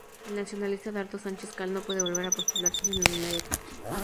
El nacionalista Dardo Sánchez Cal no puede volver a postularse en lo inmediato.